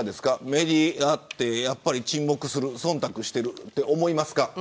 メディアってやっぱり沈黙する忖度していると思いますか。